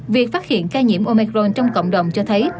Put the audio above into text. việc phát hiện ca nhiễm omicron trong cộng đồng cho thấy